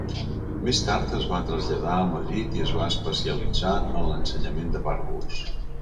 Més tard es va traslladar a Madrid i es va especialitzar en l'ensenyament de pàrvuls.